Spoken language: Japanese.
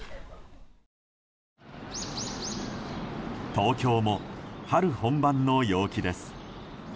東京も春本番の陽気です。